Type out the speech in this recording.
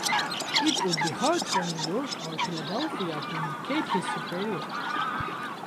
It would be hard for New York or Philadelphia to indicate his superior.